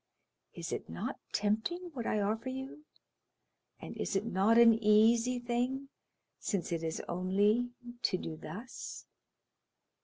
Is it not tempting what I offer you, and is it not an easy thing, since it is only to do thus?